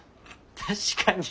確かに。